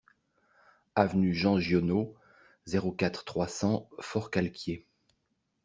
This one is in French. Avenue Jean Giono, zéro quatre, trois cents Forcalquier